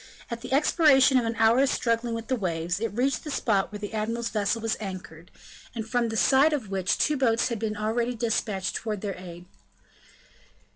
At the expiration of an hour's struggling with the waves, it reached the spot where the admiral's vessel was anchored, and from the side of which two boats had already been dispatched towards their aid.